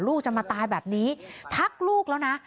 ลูกจะมาตายแบบนี้ทักลูกแล้วนะ